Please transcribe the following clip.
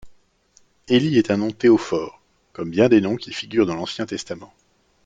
Élie est un nom théophore, comme bien des noms qui figurent dans l'Ancien Testament.